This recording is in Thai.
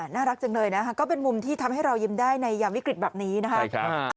น่ารักจังเลยนะคะก็เป็นมุมที่ทำให้เรายิ้มได้ในยามวิกฤตแบบนี้นะคะ